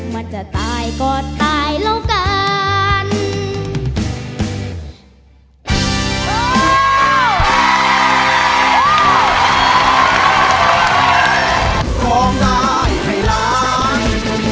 มันจะตายก็ตายแล้วกัน